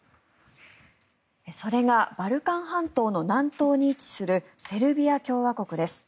それがバルカン半島の南東に位置するセルビア共和国です。